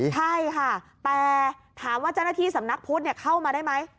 ใช่ค่ะแต่ถามว่าเจ้าหน้าที่สำนักพุทธเข้ามาได้ไหม